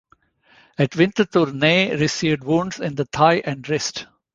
At Winterthur Ney received wounds in the thigh and wrist.